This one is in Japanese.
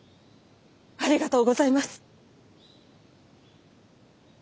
ありがとうございます！